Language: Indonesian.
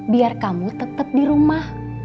biar kamu tetap di rumah